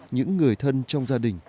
những người thân trong gia đình